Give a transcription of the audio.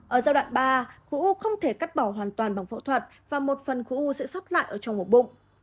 ở giai đoạn ba khối u không thể cắt bỏ hoàn toàn bằng phẫu thuật và một phần khối u sẽ sót lại ở trong một bụng